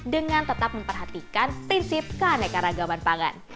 dengan tetap memperhatikan prinsip keanekaragaman pangan